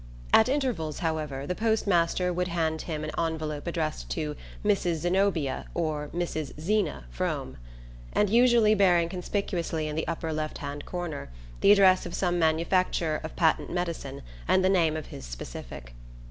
At intervals, however, the post master would hand him an envelope addressed to Mrs. Zenobia or Mrs. Zeena Frome, and usually bearing conspicuously in the upper left hand corner the address of some manufacturer of patent medicine and the name of his specific.